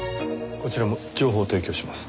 こちらも情報提供します。